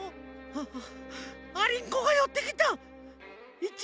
ああありんこがよってきた。